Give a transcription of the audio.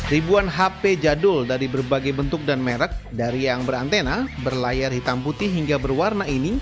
ribuan hp jadul dari berbagai bentuk dan merek dari yang berantena berlayar hitam putih hingga berwarna ini